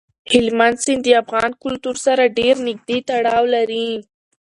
هلمند سیند د افغان کلتور سره ډېر نږدې تړاو لري.